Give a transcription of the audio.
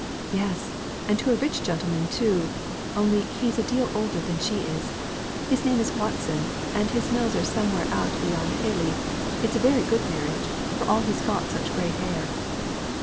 "Yes; and to a rich gentleman, too, only he's a deal older than she is. His name is Watson; and his mills are somewhere out beyond Hayleigh; it's a very good marriage, for all he's got such gray hair."